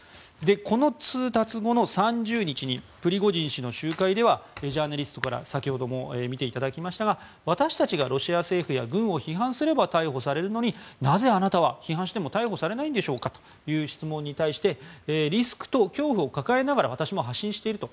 この通達後の３０日にプリゴジン氏の集会ではジャーナリストから先ほども見ていただきましたが私たちがロシア政府や軍を批判すれば逮捕されるのになぜ、あなたは批判しても逮捕されないんでしょうか？という質問に対してリスクと恐怖を抱えながら私も発信していると。